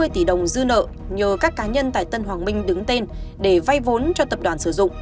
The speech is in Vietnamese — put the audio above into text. hai sáu trăm chín mươi tỷ đồng dư nợ nhờ các cá nhân tại tân hoàng minh đứng tên để vay vốn cho tập đoàn sử dụng